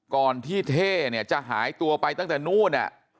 ก่อนที่เท่เนี่ยจะหายตัวไปตั้งแต่นู่น